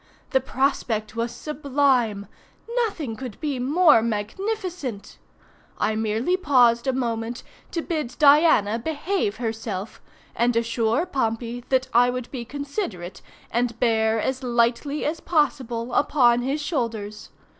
The prospect was sublime. Nothing could be more magnificent. I merely paused a moment to bid Diana behave herself, and assure Pompey that I would be considerate and bear as lightly as possible upon his shoulders.